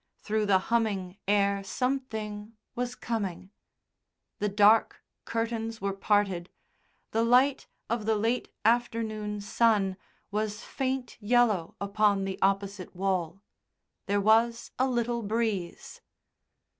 Through the humming air something was coming; the dark curtains were parted, the light of the late afternoon sun was faint yellow upon the opposite wall there was a little breeze.